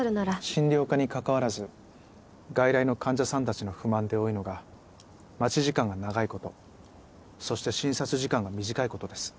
診療科にかかわらず外来の患者さんたちの不満で多いのが待ち時間が長い事そして診察時間が短い事です。